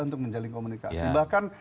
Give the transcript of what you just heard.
untuk menjalin komunikasi bahkan